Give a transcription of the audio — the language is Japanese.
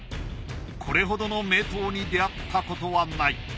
これほどの名刀に出会ったことはない。